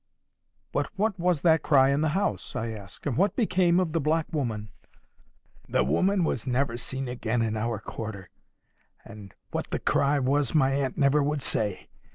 "But what was that cry in the house?" I asked "And what became of the black woman?" "The woman was never seen again in our quarter; and what the cry was my aunt never would say.